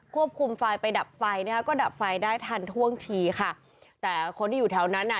ไฟไปดับไฟนะคะก็ดับไฟได้ทันท่วงทีค่ะแต่คนที่อยู่แถวนั้นอ่ะ